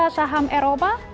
bursa saham eropa